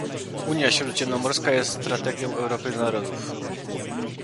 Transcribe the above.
Unia Śródziemnomorska jest strategią Europy narodów